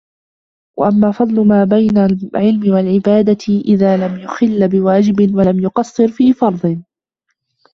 وَأَمَّا فَضْلُ مَا بَيْنَ الْعِلْمِ وَالْعِبَادَةِ إذَا لَمْ يُخِلَّ بِوَاجِبٍ وَلَمْ يُقَصِّرْ فِي فَرْضٍ